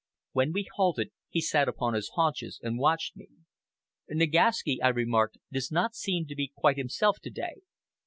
When we halted, he sat upon his haunches and watched me. "Nagaski," I remarked, "does not seem to be quite himself to day."